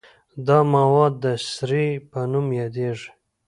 دا مواد د سرې په نوم یادیږي.